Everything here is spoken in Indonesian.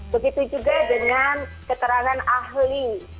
begitu juga dengan keterangan ahli